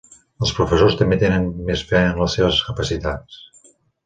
Els professors també tenen més fe en les seves capacitats.